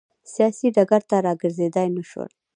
سیاسي ډګر ته راګرځېدای نه شول.